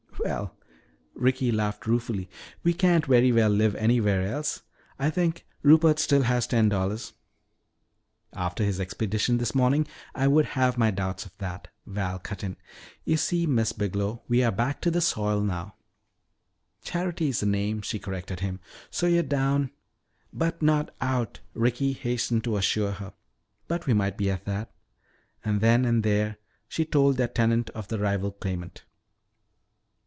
"Well," Ricky laughed ruefully, "we can't very well live anywhere else. I think Rupert still has ten dollars " "After his expedition this morning, I would have my doubts of that," Val cut in. "You see, Miss Biglow, we are back to the soil now." "Charity is the name," she corrected him. "So you're down " "But not out!" Ricky hastened to assure her. "But we might be that." And then and there she told their tenant of the rival claimant.